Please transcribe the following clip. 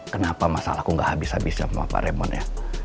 kenapa masalahku nggak habis habis sama pak remon ya